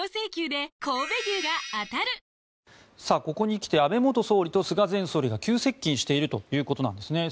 ここに来て安倍元総理と菅前総理が急接近しているということです。